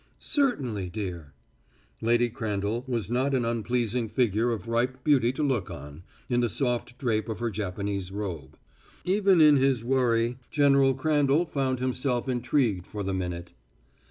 "Certainly, dear." Lady Crandall was not an unpleasing picture of ripe beauty to look on, in the soft drape of her Japanese robe. Even in his worry, General Crandall found himself intrigued for the minute.